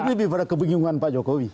lebih pada kebingungan pak jokowi